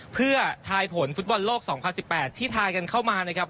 เพื่อทายผลฟุตบอลโลก๒๐๑๘ที่ทายกันเข้ามานะครับ